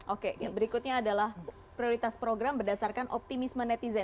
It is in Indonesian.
oke berikutnya adalah prioritas program berdasarkan optimisme netizen